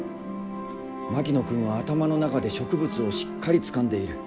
槙野君は頭の中で植物をしっかりつかんでいる。